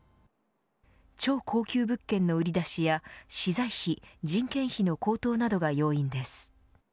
超高級物件の売り出しや、資材費人件費の高騰などが要因です。